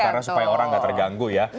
karena supaya orang nggak terganggu ya